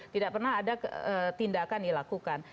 tidak pernah ada tindakan dilakukan